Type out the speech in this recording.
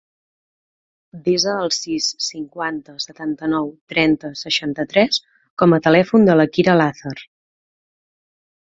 Desa el sis, cinquanta, setanta-nou, trenta, seixanta-tres com a telèfon de la Kira Lazar.